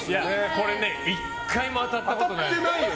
これ、１回も当たったことない。